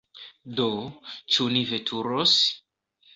Do, ĉu ni veturos?